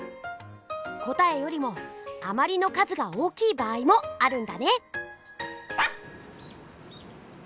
答えよりもあまりの数が大きい場合もあるんだね！